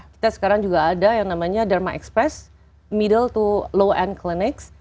kita sekarang juga ada yang namanya derma express middle to low end clinic